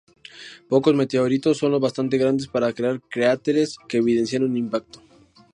Pocos meteoritos son lo bastante grandes para crear cráteres que evidencian un impacto.